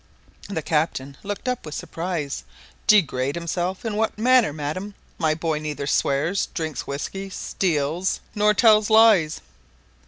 The captain looked up with surprise. "Degrade himself! In what manner, madam? My boy neither swears, drinks whiskey, steals, nor tells lies."